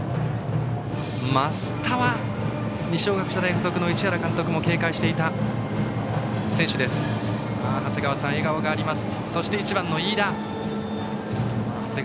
増田は二松学舎大付属の市原監督も警戒していた選手です。